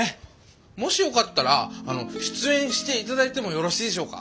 もしよかったらあの出演して頂いてもよろしいでしょうか？